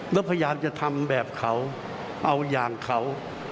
แล้วพยายามจะทำแบบเขาเอาอย่างเขา